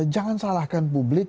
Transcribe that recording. jangan salahkan publik